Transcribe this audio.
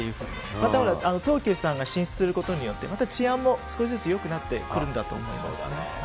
また、東急さんが進出することによってまた治安も少しずつよくなってくそうだね。